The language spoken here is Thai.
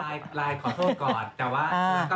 แต่ว่าปุ๊ปก็มา